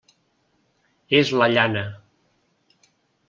És la llana.